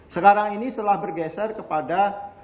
sekarang ini setelah bergeser kepada